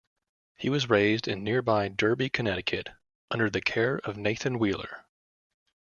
He was raised in nearby Derby, Connecticut, under the care of Nathan Wheeler.